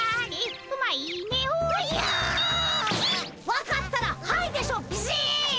分かったら「はい」でしょビシッ！